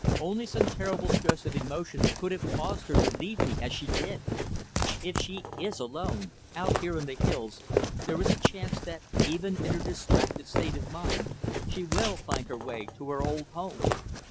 Only some terrible stress of emotion could have caused her to leave me as she did. If she is alone, out here in the hills, there is a chance that even in her distracted state of mind she will find her way to her old home."